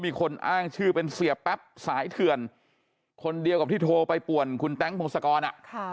มีคนอ้างชื่อเป็นเสียแป๊บสายเถื่อนคนเดียวกับที่โทรไปป่วนคุณแต๊งพงศกร